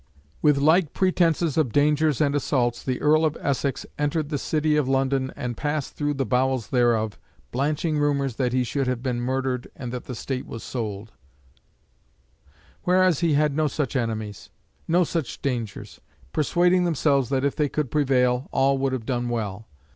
With like pretences of dangers and assaults the Earl of Essex entered the City of London and passed through the bowels thereof, blanching rumours that he should have been murdered and that the State was sold; whereas he had no such enemies, no such dangers: persuading themselves that if they could prevail all would have done well.